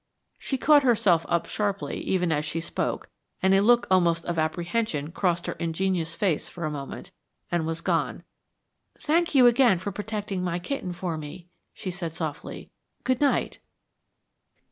She caught herself up sharply, even as she spoke, and a look almost of apprehension crossed her ingenuous face for a moment, and was gone. "Thank you again for protecting my kitten for me," she said softly. "Good night."